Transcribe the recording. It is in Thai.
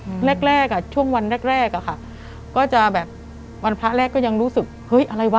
อืมแรกแรกอ่ะช่วงวันแรกแรกอ่ะค่ะก็จะแบบวันพระแรกก็ยังรู้สึกเฮ้ยอะไรวะ